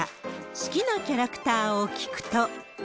好きなキャラクターを聞くと。